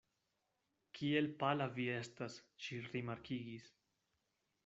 Kiel pala vi estas, ŝi rimarkigis.